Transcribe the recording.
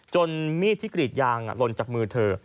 มีดที่กรีดยางลนจากมือเธอ